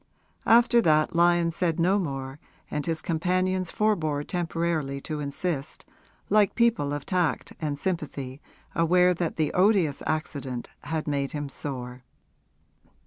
After that Lyon said no more and his companions forbore temporarily to insist, like people of tact and sympathy aware that the odious accident had made him sore.